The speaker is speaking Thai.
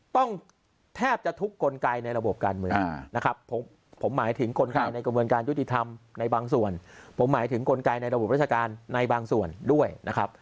ต้องแทบจะทุกกลไกในระบบการเมืองนะครับผมหมายถึงกลไกในกระบวนการยุติธรรมในบางส่วนผมหมายถึงกลไกในระบบราชการในบางส่วนด้วยนะครับ